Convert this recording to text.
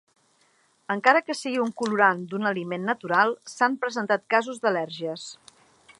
Encara que sigui un colorant d'un aliment natural s'han presentat casos d'al·lèrgies.